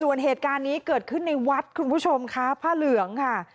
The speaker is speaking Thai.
ส่วนเหตุการณ์นี้เกิดขึ้นในวัดคุณผู้ชมค่ะผ้าเหลืองค่ะ